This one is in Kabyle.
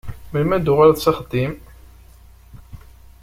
Melmi ara d-tuɣaleḍ s axeddim?